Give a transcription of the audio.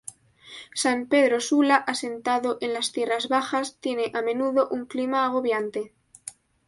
San Pedro Sula, asentado en las tierras bajas, tiene a menudo un clima agobiante.